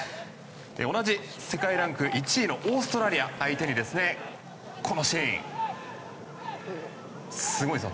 同じ世界ランク１位のオーストラリア相手にこのシーン、すごいですよ。